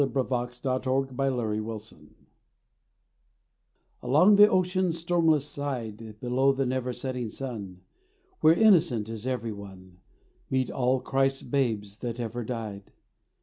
XXXIX THE LITTLE CHILDREN ALONG the ocean's stormless side, Below the never setting sun, Where Innocent is every one, Meet all Christ's babes that ever died.